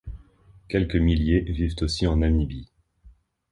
Quelques milliers vivent aussi en Namibie.